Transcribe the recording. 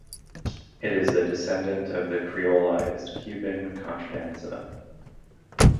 It is a descendent of the creollized Cuban contradanza.